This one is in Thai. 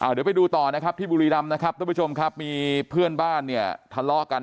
เดี๋ยวไปดูต่อนะครับที่บุรีดำนะครับมีเพื่อนบ้านทะเลาะกัน